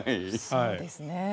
そうですね。